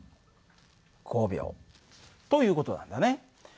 ５秒。という事なんだね。